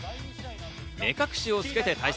目隠しをつけて対戦。